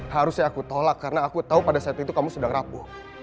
harusnya aku tolak karena aku tahu pada saat itu kamu sedang rapuh